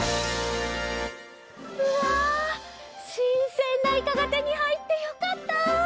うわしんせんなイカがてにはいってよかった。